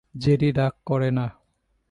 Jerry রাগ করে না।